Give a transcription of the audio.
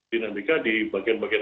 dinamika di bagian bagian